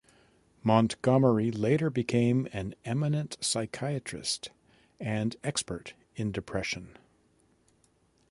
Montgomery later became an eminent psychiatrist and expert in depression.